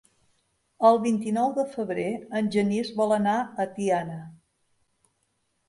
El vint-i-nou de febrer en Genís vol anar a Tiana.